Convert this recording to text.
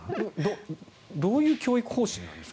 どういう教育方針ですか。